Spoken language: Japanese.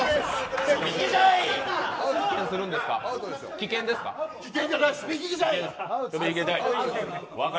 危険ですか。